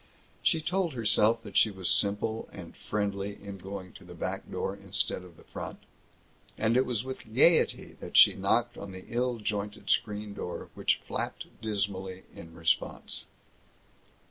She told herself that she was simple and friendly in going to the back door instead of the front, and it was with gaiety that she knocked on the ill jointed screen door, which flapped dismally in response.